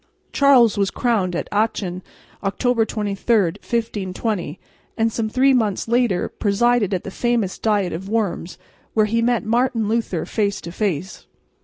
Charles was crowned at Aachen, October 23, 1520, and some three months later presided at the famous diet of Worms, where he met Martin Luther face to face.